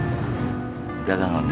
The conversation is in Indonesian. cari jodoh akhirnya dapat juga